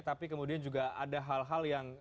tapi kemudian juga ada hal hal yang